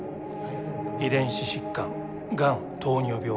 遺伝子疾患がん糖尿病ＨＩＶ。